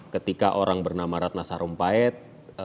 ketika orang bernama ratna sarumpait